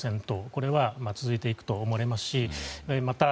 これは続いていくと思われますしまた